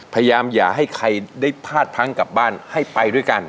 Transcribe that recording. พาททั้งกับบ้านให้ไปด้วยกัน